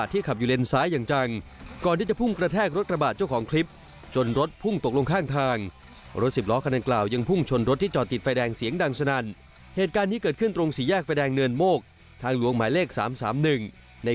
ที่มุ่งหน้าจังหวัดระยอง